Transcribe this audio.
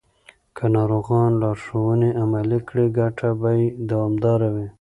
که ناروغان لارښوونې عملي کړي، ګټه به یې دوامداره وي.